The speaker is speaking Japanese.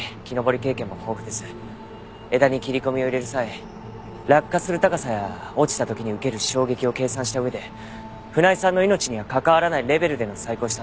枝に切り込みを入れる際落下する高さや落ちた時に受ける衝撃を計算した上で船井さんの命には関わらないレベルでの細工をしたんでしょう。